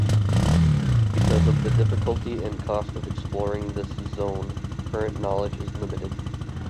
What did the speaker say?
Because of the difficulty and cost of exploring this zone, current knowledge is limited.